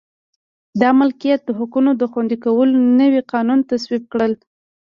د مالکیت حقونو د خوندي کولو نوي قوانین تصویب کړل.